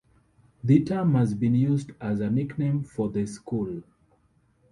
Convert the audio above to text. The term has been used as a nickname for the school.